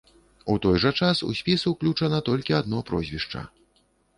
У той жа час у спіс уключана толькі адно прозвішча.